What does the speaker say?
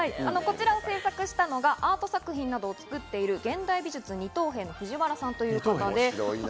制作したのがアート作品などを作っている現代美術二等兵ふじわらさんという方です。